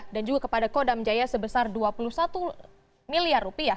dan juga kepada kodam jaya sebesar rp dua puluh satu miliar